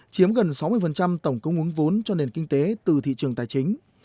chiếm gần sáu mươi tổng cung ứng vốn cho nền kinh tế từ thị trường tài chính